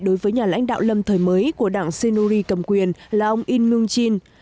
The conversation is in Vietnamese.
đối với nhà lãnh đạo lâm thời mới của đảng senuri cầm quyền là ông in myung jin